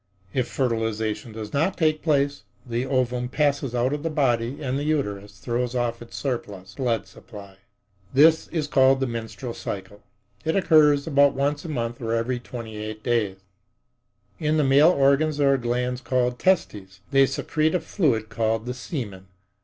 If fertilization does not take place, the ovum passes out of the body and the uterus throws off its surplus blood supply. This is called the menstrual period. It occurs about once a month or every twenty eight days.In the male organs there are glands called testes. They secrete a fluid called the semen.